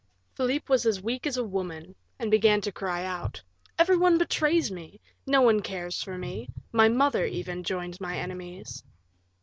Philip was as weak as a woman, and began to cry out, "Every one betrays me, no one cares for me; my mother, even, joins my enemies."